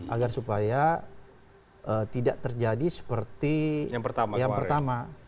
agar supaya tidak terjadi seperti yang pertama